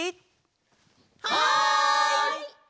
はい！